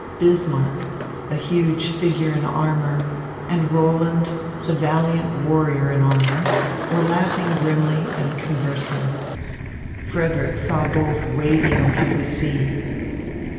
Bismarck, a huge figure in armour, and Roland, the valiant warrior in armour, were laughing grimly and conversing. Frederick saw both wading through the sea.